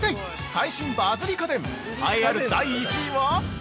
最新バズり家電、栄えある第１位は！？